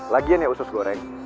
lagian ya usus goreng